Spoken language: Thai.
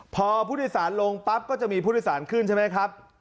พอผู้โดยสารลงปั๊บก็จะมีผู้โดยสารขึ้นใช่ไหมครับ